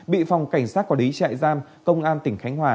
bị phòng cảnh sát quả lý chạy giam công an tỉnh khánh hòa